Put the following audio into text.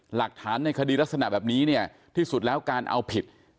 หลักฐานในคดีลักษณะแบบนี้เนี่ยที่สุดแล้วการเอาผิด